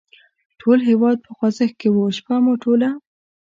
ټول هېواد په خوځښت کې و، شپه مو ټوله.